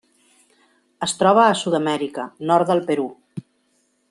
Es troba a Sud-amèrica: nord del Perú.